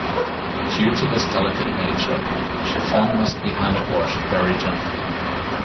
Due to this delicate nature, chiffon must be hand washed very gently.